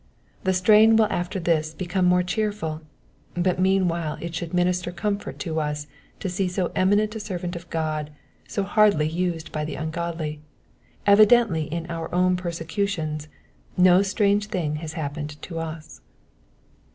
The strain will after this become more cheerful ; but meanwhile it should minister comfort to us to see so eminent a servapt of €k>d so hardly used by the ungodly : evidently in our own persecutions, no strange thing has happened unto us.